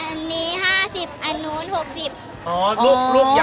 เออลูกขายจมมถูรอเท่าไหร่ค้า